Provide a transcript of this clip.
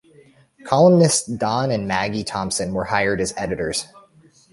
Columnists Don and Maggie Thompson were hired as editors.